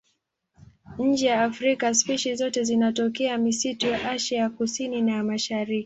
Nje ya Afrika spishi zote zinatokea misitu ya Asia ya Kusini na ya Mashariki.